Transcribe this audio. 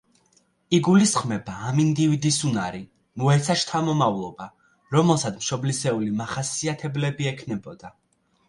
იგულისხმება ამ ინდივიდის უნარი, მოეცა შთამომავლობა, რომელსაც მშობლისეული მახასიათებლები ექნებოდა.